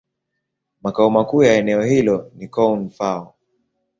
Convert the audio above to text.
Makao makuu ya eneo hilo ni Koun-Fao.